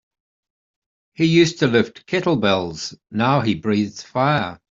He used to lift kettlebells now he breathes fire.